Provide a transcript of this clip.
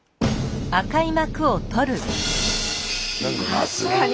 確かに。